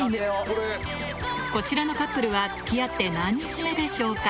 こちらのカップルは付き合って何日目でしょうか？